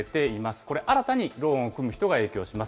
これ、新たにローンを組む人が影響します。